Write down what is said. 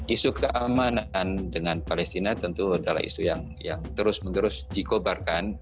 isu keamanan dengan palestina tentu adalah isu yang terus menerus dikobarkan